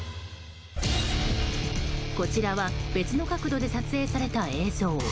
こちらは別の角度で撮影された映像。